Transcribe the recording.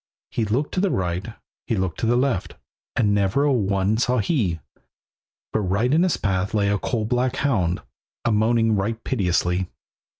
He looked to the right, he looked to the left, And never a one saw he; But right in his path lay a coal black hound, A moaning right piteously.